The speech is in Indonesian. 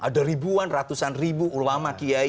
ada ribuan ratusan ribu ulama kiai